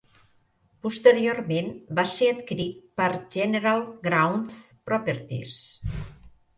Posteriorment va ser adquirit per General Growth Properties.